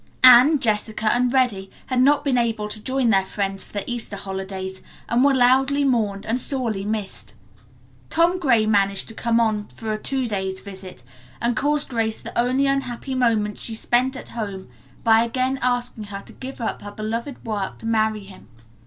Anne, Jessica and Reddy had not been able to join their friends for the Easter holidays and were loudly mourned and sorely missed. Tom Gray managed to come on for a two days' visit and cause Grace the only unhappy moments she spent at home by again asking her to give up her beloved work to marry him.